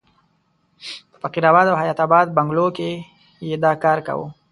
په فقیر اباد او حیات اباد بنګلو کې یې دا کار کاوه.